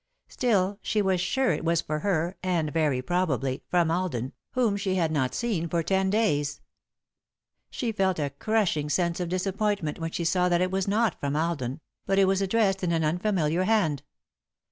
Still, she was sure it was for her, and, very probably, from Alden, whom she had not seen for ten days. [Sidenote: Ways and Means] She felt a crushing sense of disappointment when she saw that it was not from Alden, but was addressed in an unfamiliar hand.